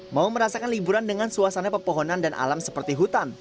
mau merasakan liburan dengan suasana pepohonan dan alam seperti hutan